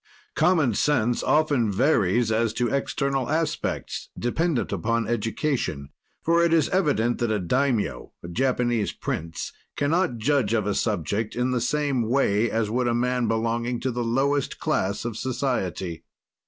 "Common sense often varies as to external aspects, dependent upon education, for it is evident that a diamio (Japanese prince) can not judge of a subject in the same way as would a man belonging to the lowest class of society.